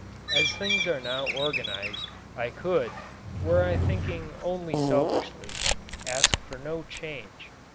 As things are now organized, I could, were I thinking only selfishly, ask for no change.